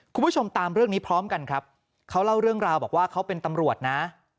คุณผู้ชมตามเรื่องนี้พร้อมกันครับเขาเล่าเรื่องราวบอกว่าเขาเป็นตำรวจนะ